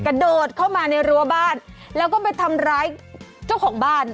กระโดดเข้ามาในรั้วบ้านแล้วก็ไปทำร้ายเจ้าของบ้าน